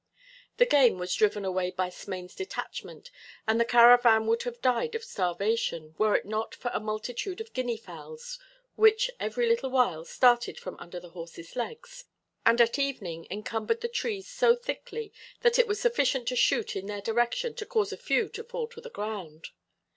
The game was driven away by Smain's detachment and the caravan would have died of starvation, were it not for a multitude of guinea fowls which every little while started from under the horses' legs, and at evening encumbered the trees so thickly that it was sufficient to shoot in their direction to cause a few to fall to the ground.